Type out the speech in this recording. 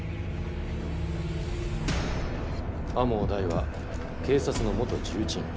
天羽大は警察の元重鎮。